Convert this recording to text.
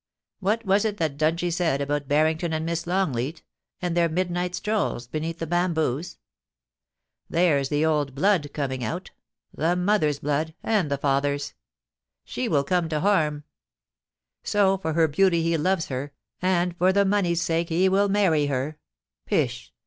... What was it that Dungie said about Barrington and Miss Longleat, and their midnight strolls beneath the bamboos ? There's the old blood coming out— the mother's blood — and the father's. She will come to harm. So, for her beauty he loves her, and for the money's sake he will marry her. Pish